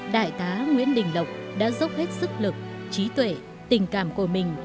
đại tá nguyễn đình lộc đã dốc hết sức lực trí tuệ tình cảm của mình